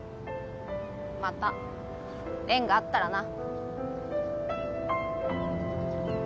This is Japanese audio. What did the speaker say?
また縁があったらな。